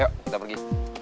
yuk kita pergi